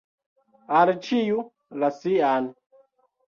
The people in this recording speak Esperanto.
Al ĉiu la sian.